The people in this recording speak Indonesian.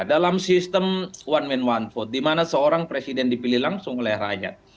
dalam sistem one man one vote di mana seorang presiden dipilih langsung oleh rakyat